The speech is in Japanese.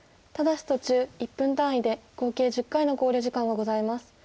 ただし途中１分単位で合計１０回の考慮時間がございます。